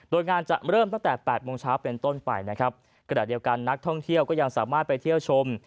โดยงานจะเริ่มตั้งแต่แปดโมงเช้าเป็นต้นไปนะครับขณะเดียวกันนักท่องเที่ยวก็ยังสามารถไปเที่ยวชม